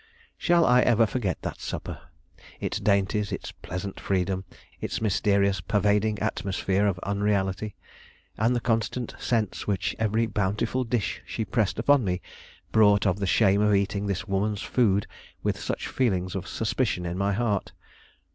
Shall I ever forget that supper! its dainties, its pleasant freedom, its mysterious, pervading atmosphere of unreality, and the constant sense which every bountiful dish she pressed upon me brought of the shame of eating this woman's food with such feelings of suspicion in my heart!